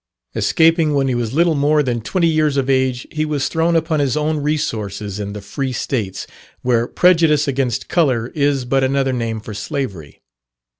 Escaping when he was little more than twenty years of age, he was thrown upon his own resources in the free states, where prejudice against colour is but another name for slavery.